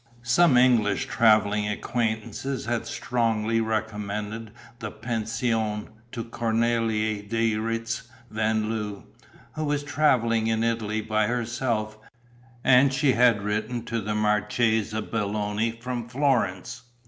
Some English travelling acquaintances had strongly recommended the pension to Cornélie de Retz van Loo, who was travelling in Italy by herself; and she had written to the Marchesa Belloni from Florence.